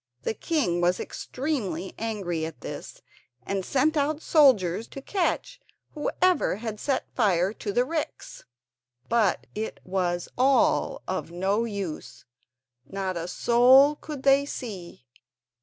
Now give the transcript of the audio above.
The king was extremely angry at this, and sent out soldiers to catch whoever had set fire to the ricks; but it was all of no use—not a soul could they see.